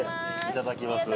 いただきます